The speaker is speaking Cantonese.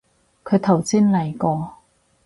佢頭先嚟過